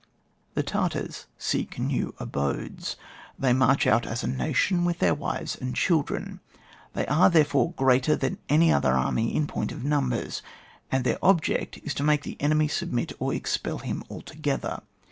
The Tartars seek new abodes. They march out as a nation with their wives and children, they are, therefore, greater than any other army in point of numbers, and their object is to make the enemy submit or expel him altogether.